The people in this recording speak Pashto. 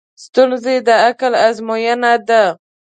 ستونزې د عقل ازموینه ده.